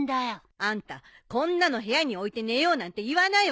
あんたこんなの部屋に置いて寝ようなんて言わないわよね？